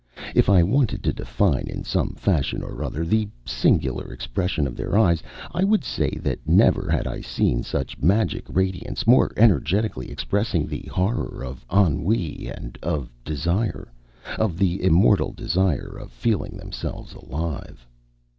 If I wanted to define in some fashion or other the singular expression of their eyes, I would say that never had I seen such magic radiance more energetically expressing the horror of ennui and of desire of the immortal desire of feeling themselves alive.